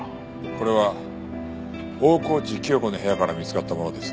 これは大河内貴代子の部屋から見つかったものです。